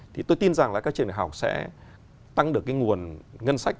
thì tôi tin rằng là các trường đại học sẽ tăng được cái nguồn ngân sách